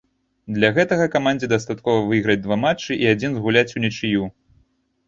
Для гэтага камандзе дастаткова выйграць два матчы і адзін згуляць унічыю.